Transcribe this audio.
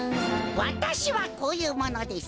わたしはこういうものです。